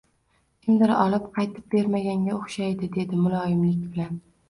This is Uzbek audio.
Kimdir olib qaytib bermaganga o‘xshaydi, dedi muloyimlik bilan